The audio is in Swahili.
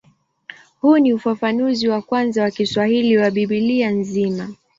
Huu ni ufafanuzi wa kwanza wa Kiswahili wa Biblia nzima.